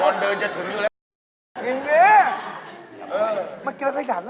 มันติดกระเดือนเลย